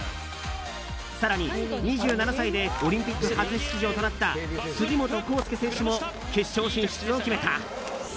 更に２７歳でオリンピック初出場となった杉本幸祐選手も決勝進出を決めた。